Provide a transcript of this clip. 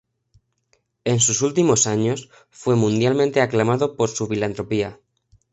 En sus últimos años, fue mundialmente aclamado por su filantropía.